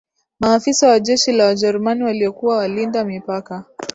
Maafisa wa jeshi la Wajerumani waliokuwa walinda mipaka